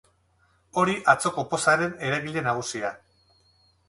Hori atzoko pozaren eragile nagusia.